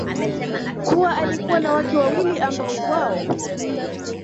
kuwa alikuwa na wake wawili ambao kwao